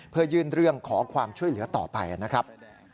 เพื่อยื่นเรื่องขอความช่วยเหลือต่อไปนะครับ